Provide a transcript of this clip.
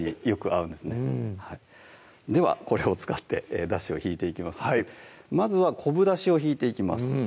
うんではこれを使ってだしを引いていきますのでまずは昆布だしを引いていきます